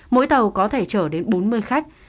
mỗi tàu có thể chở đến bốn mươi khách